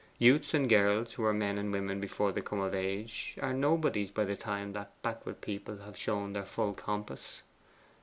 Youths and girls who are men and women before they come of age are nobodies by the time that backward people have shown their full compass.